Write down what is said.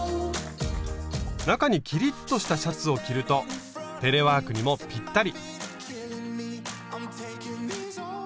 中にキリッとしたシャツを着るとテレワークにもぴったり。